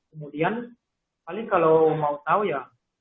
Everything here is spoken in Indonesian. kemudian paling kalau mau tahu ya